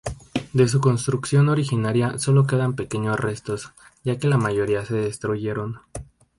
De su construcción originaria sólo quedan pequeños restos, ya que la mayoría se destruyeron.